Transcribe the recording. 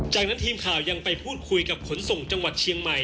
จากนั้นทีมข่าวยังไปพูดคุยกับขนส่งจังหวัดเชียงใหม่